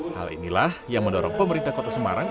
hal inilah yang mendorong pemerintah kota semarang